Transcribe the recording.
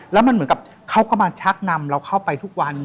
เขาก็มาชักนำเราเข้าไปทุกวัน